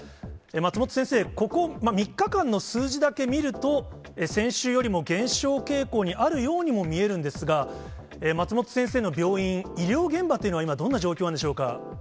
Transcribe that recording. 松本先生、ここ３日間の数字だけ見ると、先週よりも減少傾向にあるようにも見えるんですが、松本先生の病院、医療現場というのは今、どんな状況なんでしょうか。